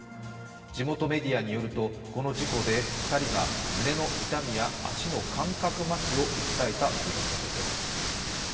地元メディアによると、この事故で２人が胸の痛みや足の感覚まひを訴えたということです。